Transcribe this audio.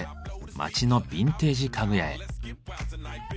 街のビンテージ家具屋へ。